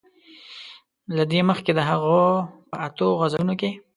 له دې مخکې د هغه په اتو غزلونو کې.